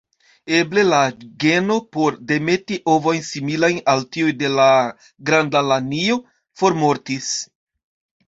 Eble la geno por demeti ovojn similajn al tiuj de la Granda lanio formortis.